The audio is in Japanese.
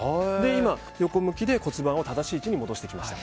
今、横向きで骨盤を正しい位置に戻しました。